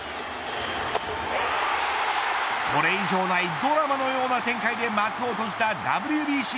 これ以上ないドラマのような展開で幕を閉じたＷＢＣ。